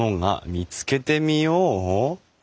見つけてみよう！」？